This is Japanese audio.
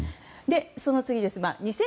その次です。